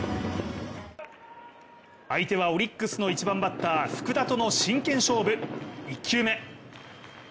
相手はオリックスの１番バッター福田との真剣勝負、１球目。